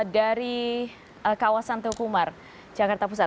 dari kawasan telukumar jakarta pusat